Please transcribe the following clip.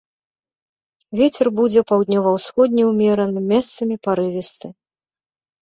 Вецер будзе паўднёва-ўсходні ўмераны, месцамі парывісты.